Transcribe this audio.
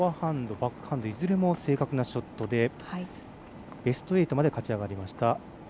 バックハンドいずれも正確なショットでベスト８まで勝ち上がりました。